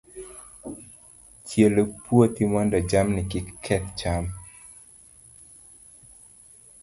Chiel puothi mondo jamni kik keth cham.